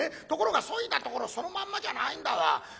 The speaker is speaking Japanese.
ところがそいだところそのまんまじゃないんだわ。